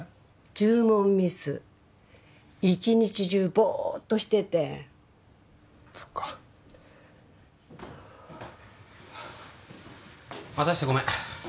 注文ミス一日中ボーッとしててそっか待たせてごめん